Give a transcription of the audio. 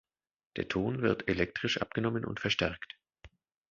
Der Ton wird elektrisch abgenommen und verstärkt.